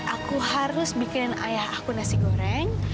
aku harus bikin ayah aku nasi goreng